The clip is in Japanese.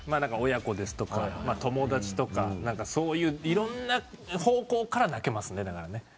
親子ですとか友達とかそういういろんな方向から泣けますねだからね。